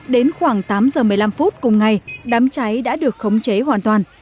đến khoảng tám giờ một mươi năm phút cùng ngày đám cháy đã được khống chế hoàn toàn